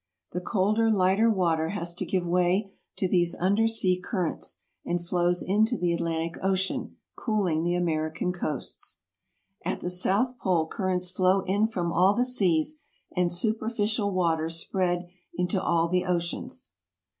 The colder, lighter water has to give way to these under sea currents, and flows into the Atlantic Ocean, cooling the American coasts. At the south pole currents flow in from all the seas, and superficial waters spread into all the oceans.